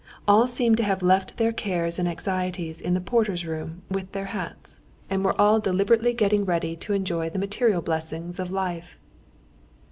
All seemed to have left their cares and anxieties in the porter's room with their hats, and were all deliberately getting ready to enjoy the material blessings of life.